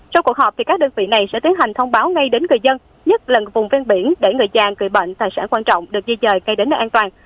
sau cuộc họp các đơn vị này sẽ tiến hành thông báo ngay đến người dân nhất là vùng ven biển để người già người bệnh tài sản quan trọng được di dời ngay đến nơi an toàn